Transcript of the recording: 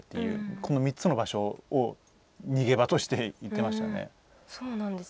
この３つも場所を逃げ場として行ってましたね。